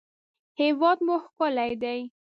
هېواد مو ښکلی دی